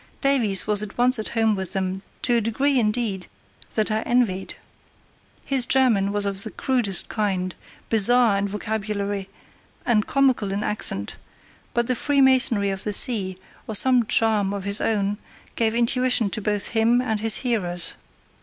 Davies was at once at home with them, to a degree, indeed, that I envied. His German was of the crudest kind, bizarre in vocabulary and comical in accent; but the freemasonry of the sea, or some charm of his own, gave intuition to both him and his hearers.